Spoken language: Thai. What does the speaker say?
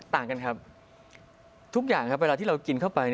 ต่างกันครับทุกอย่างครับเวลาที่เรากินเข้าไป